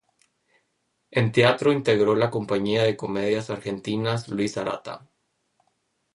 En teatro integró la Compañía de Comedias Argentinas Luis Arata.